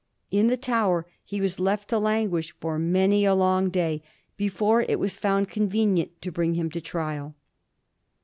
In the Tower he was left to languish for many a long day before it was found convenient to bring him to trial.